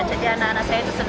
jadi anak anak saya itu sedang